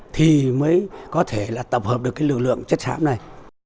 thì mới có thể tập hợp được lực lượng chất sám này